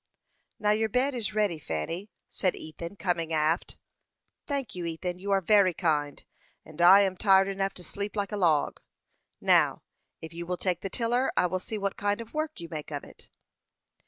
"Now your bed is ready, Fanny," said Ethan, coming aft. "Thank you, Ethan; you are very kind, and I am tired enough to sleep like a log. Now, if you will take the tiller, I will see what kind of work you make of it."